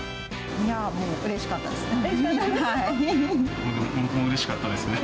僕もうれしかったですね。